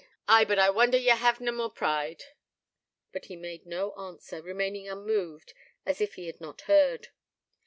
Ay, but I wonder ye hav'na more pride.' But he made no answer, remaining unmoved, as if he had not heard.